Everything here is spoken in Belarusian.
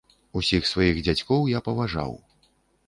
Усіх сваіх дзядзькоў я паважаў.